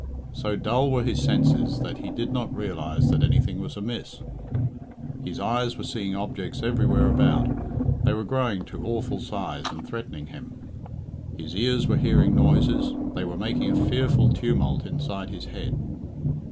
So dull were his senses that he did not realise that anything was amiss. His eyes were seeing objects everywhere about they were growing to awful size and threatening him. His ears were hearing noises they were making a fearful tumult inside his head.